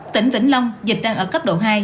tỉnh vĩnh long dịch đang ở cấp độ hai